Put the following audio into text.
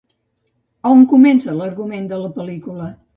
A on comença l'argument de la pel·lícula?